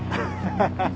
ハハハハ。